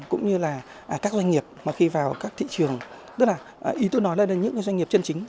cũng như là các doanh nghiệp mà khi vào các thị trường tức là ý tôi nói là những doanh nghiệp chân chính